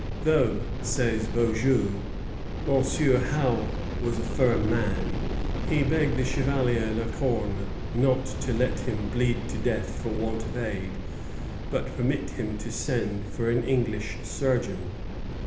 "Though," says Beaujeu, "M. Howe was a firm man, he begged the Chevalier La Corne not to let him bleed to death for want of aid, but permit him to send for an English surgeon."